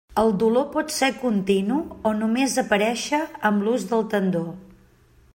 El dolor pot ser continu o només aparèixer amb l'ús del tendó.